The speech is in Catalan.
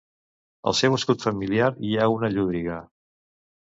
Al seu escut familiar hi ha una llúdriga.